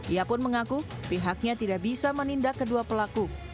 ia pun mengaku pihaknya tidak bisa menindak kedua pelaku